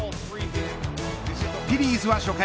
フィリーズは初回